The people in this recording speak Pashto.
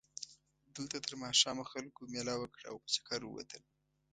دلته تر ماښامه خلکو مېله وکړه او په چکر ووتل.